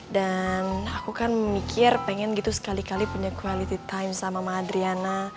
dan aku kan mikir pengen gitu sekali kali punya quality time sama mama adriana